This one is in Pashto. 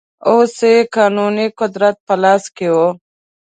اوس یې قانوني قدرت په لاس کې و.